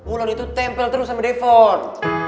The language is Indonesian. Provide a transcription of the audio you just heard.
ulang itu tempel terus sama defon